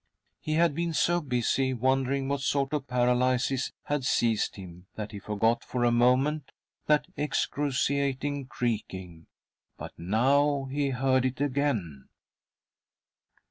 He had been so busy wondering what sort of paralysis had seized him that he forgot, for a moment,' that excruciating creaking. But now he • heard it again.